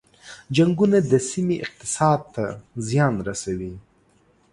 جنګونه د سیمې اقتصاد ته زیان رسوي.